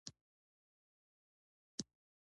د روم جمهوریت او امپراتورۍ کې بدلونونه و